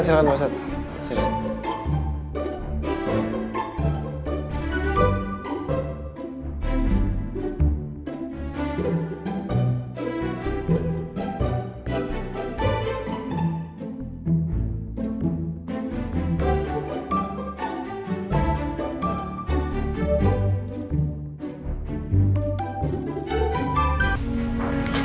sebentar ya pak